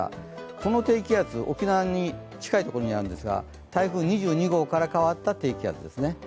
この低気圧、沖縄に近いところにあるんですが、台風２２号から変わった低気圧ですね。